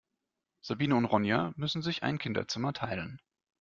Sabine und Ronja müssen sich ein Kinderzimmer teilen.